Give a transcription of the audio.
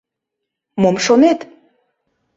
— Мом шонет?